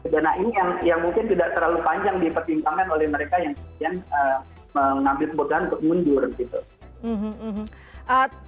dana ini yang mungkin tidak terlalu panjang dipertimbangkan oleh mereka yang kemudian mengambil keputusan untuk mundur gitu